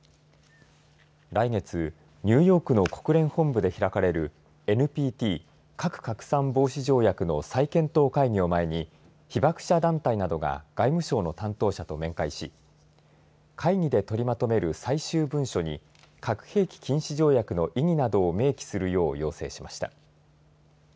来月、ニューヨークの国連本部で開かれるＮＰＴ核拡散防止条約の再検討会議を前に被爆者団体などが外務省の担当者と面会し会議で取りまとめる最終文書に核兵器禁止条約の条の意義などを明記するよう要請しました。